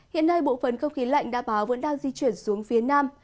hiện nay bộ phần không khí lệnh đảm bảo vẫn đang di chuyển xuống phía nam